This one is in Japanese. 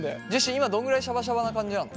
今どんぐらいシャバシャバな感じなの？